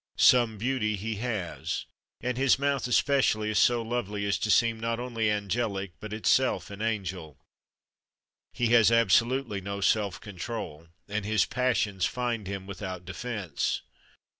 Some beauty he has, and his mouth especially is so lovely as to seem not only angelic but itself an angel. He has absolutely no self control and his passions find him without defence.